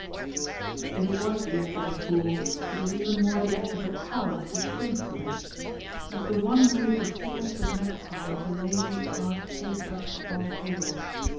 If it was the act of a fool, it was even more the act of a coward to shrink from it! It was the one way to force the Magpie to lay his cards face up upon the table.